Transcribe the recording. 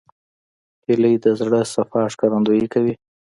هیلۍ د زړه صفا ښکارندویي کوي